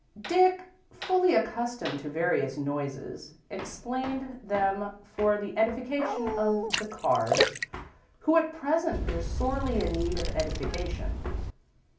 Dick, fully accustomed to various noises, explained them for the edification of the Carrs, who at present were sorely in need of edification.